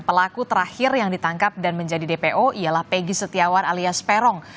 pelaku terakhir yang ditangkap dan menjadi dpo ialah pegi setiawan alias peron